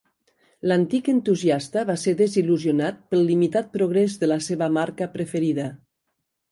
L'antic entusiasta va ser desil·lusionat pel limitat progrés de la seva marca preferida.